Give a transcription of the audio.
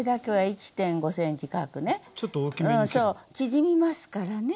そう縮みますからね。